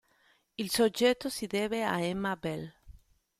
Il soggetto si deve a Emma Bell.